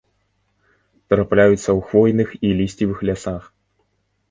Трапляюцца ў хвойных і лісцевых лясах.